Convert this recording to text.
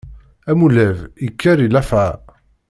Amulab ikker i llafɛa.